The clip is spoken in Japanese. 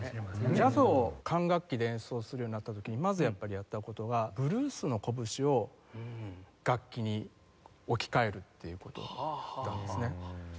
ジャズを管楽器で演奏するようになった時にまずやっぱりやった事がブルースのこぶしを楽器に置き換えるっていう事だったんですね。